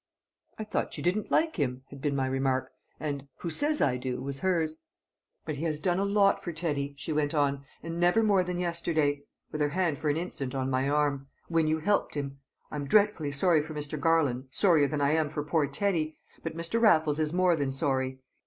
"I thought you didn't like him?" had been my remark, and "Who says I do?" was hers. "But he has done a lot for Teddy," she went on, "and never more than yesterday," with her hand for an instant on my arm, "when you helped him! I am dreadfully sorry for Mr. Garland, sorrier than I am for poor Teddy. But Mr. Raffles is more than sorry.